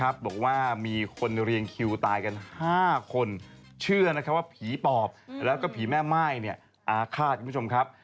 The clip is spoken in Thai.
บอกว่ามีคนเรียงคิวตายกัน๕คนเชื่อว่าผีปอบแล้วก็ผีแม่ม่ายอาฆาตคุณผู้ชมครับ